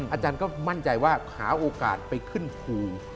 อาจารย์ก็มั่นใจว่าหาโอกาสไปขึ้นภู